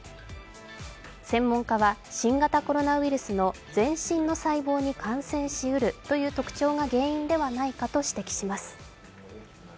専門家は、新型コロナウイルスの全身の細胞に感染しうるという特徴が原因ではないかと指摘します。